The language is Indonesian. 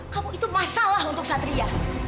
kamu itu masalah untuk satria